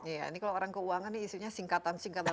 iya ini kalau orang keuangan isunya singkatan singkatan